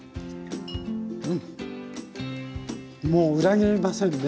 うんもう裏切りませんね。